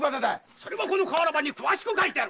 それはこの瓦版に詳しく書いてある。